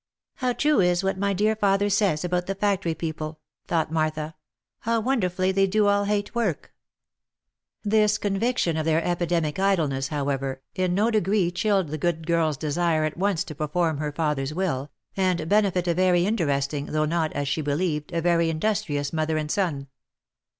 " How true is what my dear father says about the factory people," thought Martha —" how wonderfully they do all hate work !" This conviction of their epidemic idleness, however, in no degree chilled the good girl's desire at once to perform her father's will, and benefit a very interesting, though not, as she believed, a very indus trious mother and son.